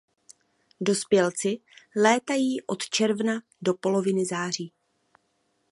Dospělci létají od června do poloviny září.